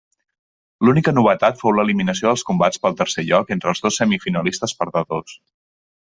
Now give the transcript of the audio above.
L'única novetat fou l'eliminació dels combats pel tercer lloc entre els dos semifinalistes perdedors.